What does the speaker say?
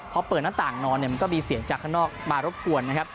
ไปแบบเปิดหน้าต่างนอนมันก็มีเสียงจากข้างนอกมารบกวน